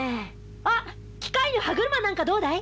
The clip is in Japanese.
あっ機械の歯車なんかどうだい？